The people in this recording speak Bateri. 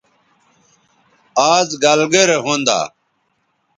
آز گَلگرے ھوندا